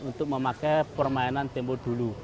untuk memakai permainan tempo dulu